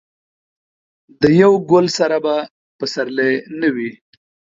د یو ګل سره به پسرلی نه وي.